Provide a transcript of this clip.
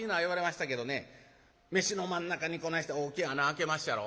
飯の真ん中にこないして大きい穴あけまっしゃろ。